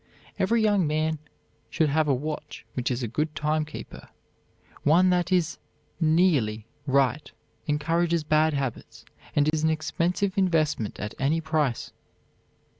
Every young man should have a watch which is a good timekeeper; one that is nearly right encourages bad habits, and is an expensive investment at any price.